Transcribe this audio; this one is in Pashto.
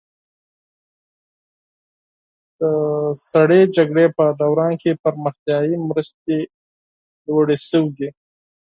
د سړې جګړې په دوران کې پرمختیایي مرستې لوړې شوې.